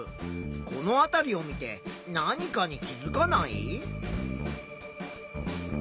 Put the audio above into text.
このあたりを見て何かに気づかない？